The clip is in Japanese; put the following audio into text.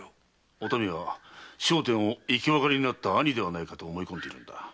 おたみは聖天を生き別れになった兄ではないかと思い込んでいる。